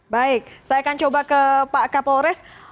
baik saya akan coba ke pak kapolres